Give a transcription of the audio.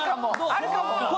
あるかも！